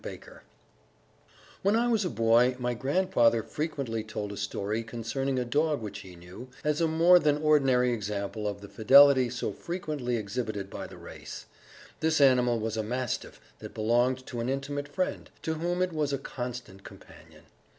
Baker When I was a boy, my grandfather frequently told a story concerning a dog which he knew, as a more than ordinary example of the fidelity so frequently exhibited by the race. This animal was a mastiff that belonged to an intimate friend, to whom it was a constant companion.